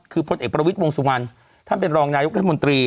คือพลเอกประวิทย์วงสุวรรณท่านเป็นรองนายกรัฐมนตรี